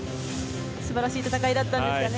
素晴らしい戦いだったんですけどね。